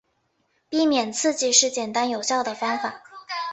避免刺激是简单有效的方法。